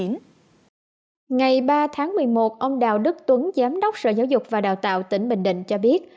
ngày ba tháng một mươi một ông đào đức tuấn giám đốc sở giáo dục và đào tạo tỉnh bình định cho biết